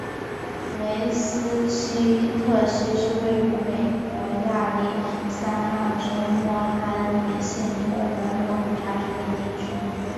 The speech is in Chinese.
梅斯基特溪是位于美国亚利桑那州莫哈维县的一个人口普查指定地区。